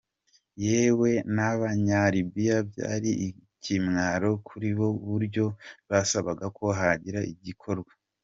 Yewe n’Abanya-Libya, byari ikimwaro kuri bo ku buryo basabaga ko hagira igikorwa.